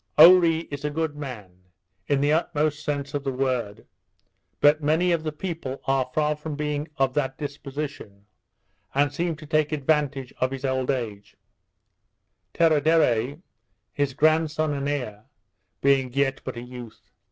Oree is a good man, in the utmost sense of the word; but many of the people are far from being of that disposition, and seem to take advantage of his old age; Teraderre, his grandson and heir, being yet but a youth.